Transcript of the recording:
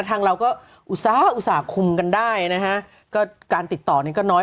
ทางเราก็อุตส่าหุส่าห์คุมกันได้นะฮะก็การติดต่อนี่ก็น้อย